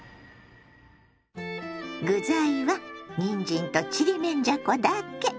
具材はにんじんとちりめんじゃこだけ。